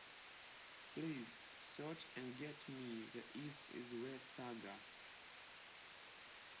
Please search and get me The East Is Red saga.